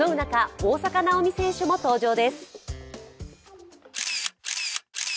大坂なおみ選手も登場です。